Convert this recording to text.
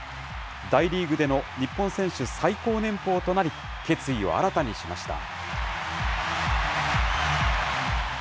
大リーグでの日本選手最高年俸となり、決意を新たにしました。